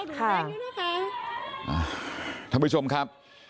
ท่านผู้ชมครับ